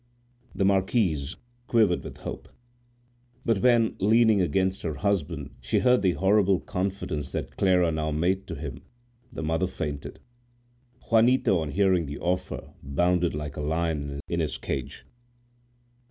The marquise quivered with hope. But when, leaning against her husband, she heard the horrible confidence that Clara now made to him, the mother fainted. Juanito, on hearing the offer, bounded like a lion in his cage.